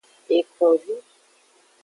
Ekonvi.